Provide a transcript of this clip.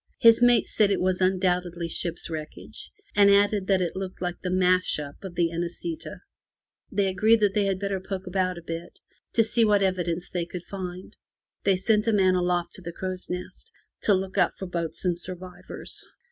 His mate said that it was undoubtedly ship's wreckage, and added that it looked like the smash up of the Inesita'' They agreed that they had better poke about a bit to see what evidence they could find. They sent a man aloft to the crow's nest to look out for boats and survivors.